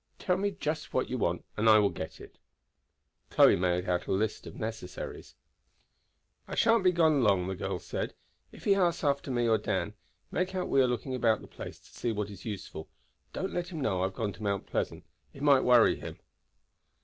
Tell me just what you want and I will get it." Chloe made out a list of necessaries. "I sha'n't be gone long," the girl said. "If he asks after me or Dan, make out we are looking about the place to see what is useful. Don't let him know I have gone to Mount Pleasant, it might worry him."